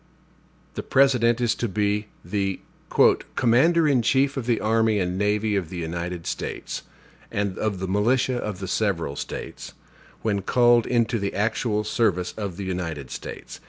The President is to be the "commander in chief of the army and navy of the United States, and of the militia of the several States, when called into the actual service of the United States.